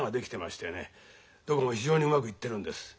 どこも非常にうまくいってるんです。